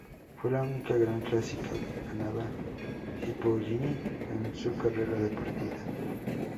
Fue la única gran clásica que ganaba Cipollini en su carrera deportiva.